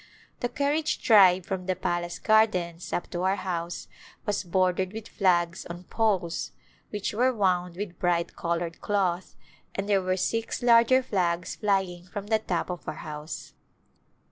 The carriage drive from the palace gardens up to our house was bordered with flags on poles which were wound with bright colored cloth, and there were six larger flags flying from the top of our house.